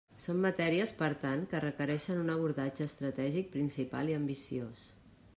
Són matèries, per tant, que requereixen un abordatge estratègic principal i ambiciós.